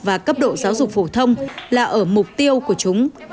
và cấp độ giáo dục phổ thông là ở mục tiêu của chúng